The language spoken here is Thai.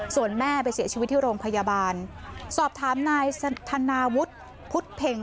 ส่วนแม่ไปเสียชีวิตที่โรงพยาบาลสอบถามนายธนาวุฒิพุทธเพ็ง